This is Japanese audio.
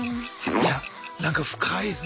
いやなんか深いですね